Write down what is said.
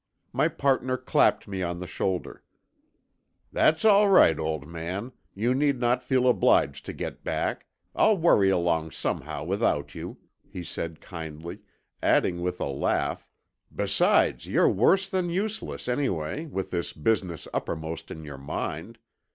My partner clapped me on the shoulder. "That's all right, old man, you need not feel obliged to get back. I'll worry along somehow without you," he said kindly, adding with a laugh, "besides, you're worse than useless any way with this business uppermost in your mind.